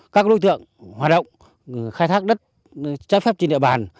các đối tượng hoạt động khai thác đất trái phép trên địa bàn